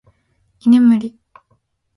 居眠り